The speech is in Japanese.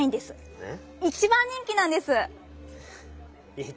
えっ⁉